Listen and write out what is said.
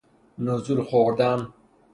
نزول خوردن